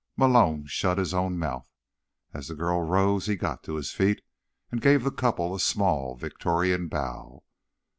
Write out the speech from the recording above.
Malone shut his own mouth. As the girl rose, he got to his feet and gave the couple a small, Victorian bow.